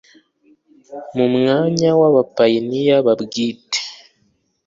Mu mwaka wa abapayiniya ba bwite